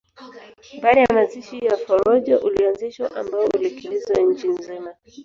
Baada ya mazishi ya Forojo ulianzishwa ambao ulikimbizwa nchi nzima